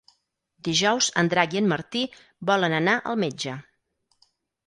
Dijous en Drac i en Martí volen anar al metge.